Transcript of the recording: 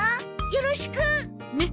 よろしく。ね？